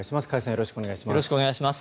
よろしくお願いします。